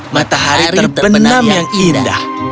matahari terbenam yang indah